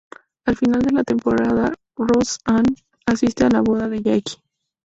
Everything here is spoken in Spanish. Al final de la temporada, Roseanne asiste a la boda de Jackie.